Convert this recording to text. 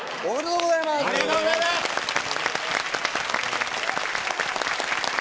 おめでとうございます。